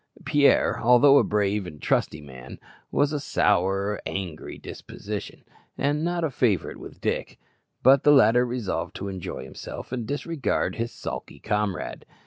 Pierre, although a brave and trusty man, was of a sour, angry disposition, and not a favourite with Dick; but the latter resolved to enjoy himself, and disregard his sulky comrade.